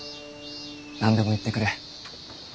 何でも言ってくれ。